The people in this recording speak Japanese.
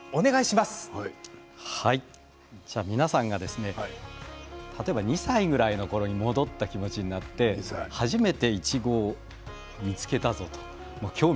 皆さんには例えば２歳ぐらいのころに戻った気持ちになって初めていちごを見つけたぞ